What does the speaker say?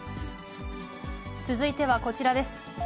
続いてはこちらです。